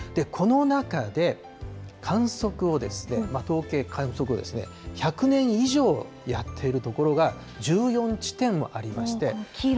この中で観測を、統計観測を１００年以上やっている所が、１４地点もありまして。